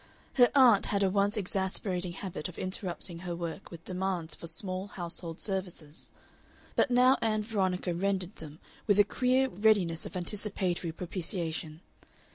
Her aunt had a once exasperating habit of interrupting her work with demands for small household services, but now Ann Veronica rendered them with a queer readiness of anticipatory propitiation.